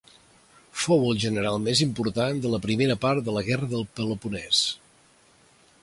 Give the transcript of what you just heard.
Fou el general més important de la primera part de la Guerra del Peloponès.